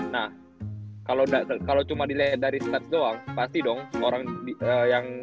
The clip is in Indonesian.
nah kalo cuma diliat dari stats doang pasti dong orang di pen area kan